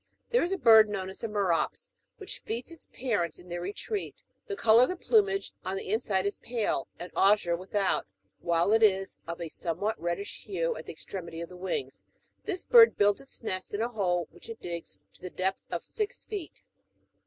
There is a bird, known as the ''merops,''" which feeds its pai'ents in their retreat : the colour of the plumage on the inside is pale, and azure without, while it is of a somewhat reddish hue at the extremity of the wings : this bird builds its nest in a hole which it digs to the depth of six feet.